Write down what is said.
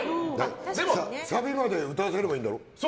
サビまで歌わせればいいんだろ？